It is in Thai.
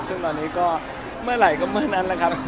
ตอนนี้ก็เมื่อไหร่ก็เมื่นนั้นล่ะครับ